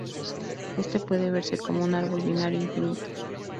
Éste puede verse como un árbol binario infinito.